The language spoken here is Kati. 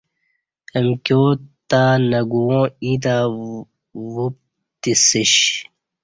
امکیاں تہ نہ گواں ییں تں وَ پتسیش